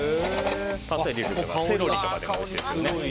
パセリとかセロリとかでもおいしいです。